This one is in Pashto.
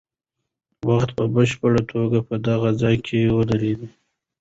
وخت په بشپړه توګه په دغه ځای کې ودرېد.